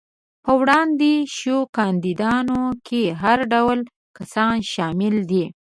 په وړاندې شوو کاندیدانو کې هر ډول کسان شامل دي.